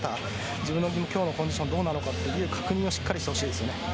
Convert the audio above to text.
自分の今日のコンディションどうなのかという確認をしっかりしてほしいですよね。